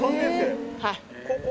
はい。